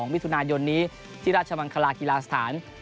มิถุนายนนี้ที่ราชมังคลากีฬาสถาน